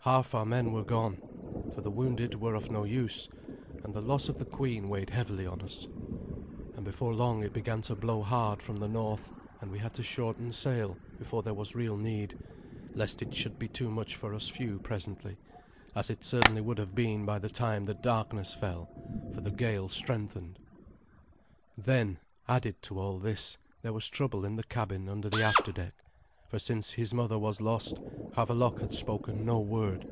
Half our men were gone, for the wounded were of no use, and the loss of the queen weighed heavily on us. And before long it began to blow hard from the north, and we had to shorten sail before there was real need, lest it should be too much for us few presently, as it certainly would have been by the time that darkness fell, for the gale strengthened. Then, added to all this, there was trouble in the cabin under the after deck, for since his mother was lost, Havelok had spoken no word.